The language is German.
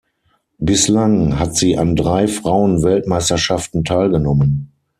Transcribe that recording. Bislang hat sie an drei Frauen-Weltmeisterschaften teilgenommen.